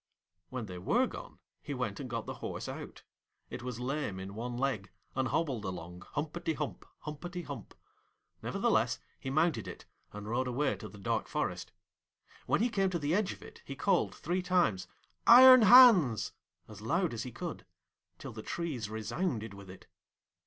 When they were gone, he went and got the horse out; it was lame in one leg, and hobbled along, humpety hump, humpety hump. Nevertheless, he mounted it and rode away to the dark forest. When he came to the edge of it, he called three times, 'Iron Hans,' as loud as he could, till the trees resounded with it.